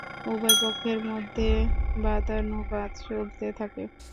উভয় পক্ষের মধ্যে বাদানুবাদ চলতে থাকে।